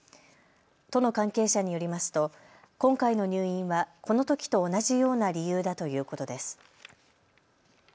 都の関係者によりますと今回の入院は、このときと同じような理由だということです。